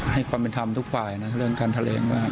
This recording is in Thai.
ให้ความเป็นธรรมทุกฝ่ายนะเรื่องการทะเลมาก